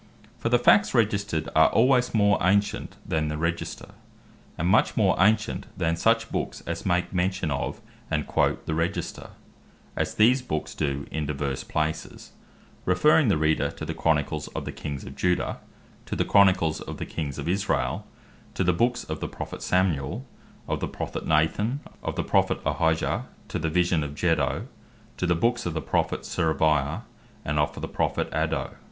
For the Facts Registred are alwaies more ancient than such Books as make mention of, and quote the Register; as these Books doe in divers places, referring the Reader to the Chronicles of the Kings of Juda, to the Chronicles of the Kings of Israel, to the Books of the Prophet Samuel, or the Prophet Nathan, of the Prophet Ahijah; to the Vision of Jehdo, to the Books of the Prophet Serveiah, and of the Prophet Addo.